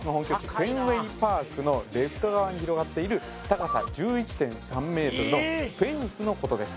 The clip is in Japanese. フェンウェイ・パークのレフト側に広がっている高さ１１．３ｍのフェンスのことです